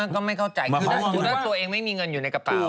ก็ไม่เข้าใจคือถ้าสมมุติว่าตัวเองไม่มีเงินอยู่ในกระเป๋า